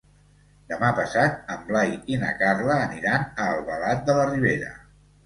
Demà passat en Blai i na Carla aniran a Albalat de la Ribera.